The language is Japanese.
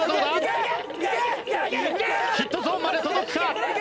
ヒットゾーンまで届くか？